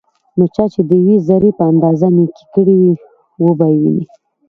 نو چا چې دیوې ذرې په اندازه نيکي کړي وي، وبه يې ويني